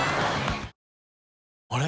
あれ？